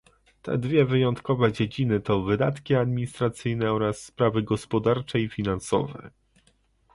Te dwie wyjątkowe dziedziny to wydatki administracyjne oraz sprawy gospodarcze i finansowe